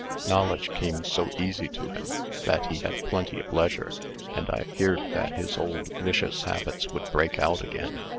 Knowledge came so easy to him, that he had plenty of leisure, and I feared that his old vicious habits would break out again.